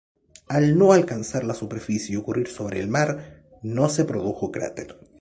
Al no alcanzar la superficie y ocurrir sobre el mar, no se produjo cráter.